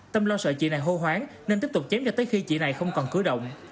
tâm lo sợ chị này hô hoáng nên tiếp tục chém cho tới khi chị này không còn cứ động